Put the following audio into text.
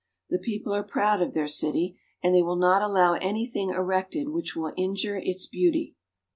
The people are proud of their city, and they will not allow anything erected which will injure its beauty.